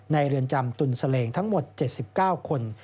เรือนจำตุลเสลงทั้งหมด๗๙คน